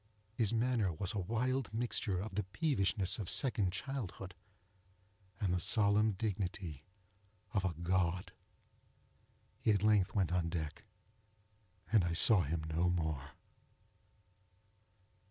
His manner was a wild mixture of the peevishness of second childhood, and the solemn dignity of a God. He at length went on deck, and I saw him no more.